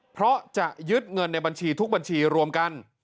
เพราะจะยึดเงินในบัญชีทุกบัญชีรวมกัน